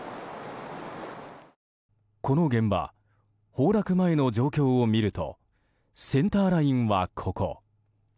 この現場、崩落前の状況を見るとセンターラインはここ。